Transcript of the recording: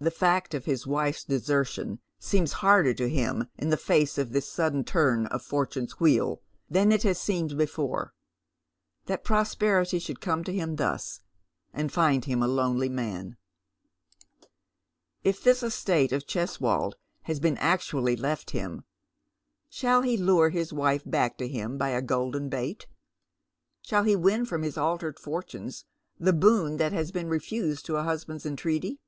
The fact of his wife's desertion seems harder to him in tht face of this sudden turn of fortune's wheel than it has seemed before. That prosperity should come to him thus, and find him a lonely man ! If this estate of Cheswold has been actually left him, shall he lure bis wife back to him by a golden bait ? Sliall he win from his altered fortunes the boon that has been refused to a husband's entreaty